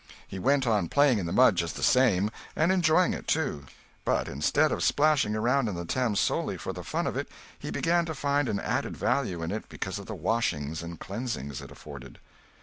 He went on playing in the mud just the same, and enjoying it, too; but, instead of splashing around in the Thames solely for the fun of it, he began to find an added value in it because of the washings and cleansings it afforded.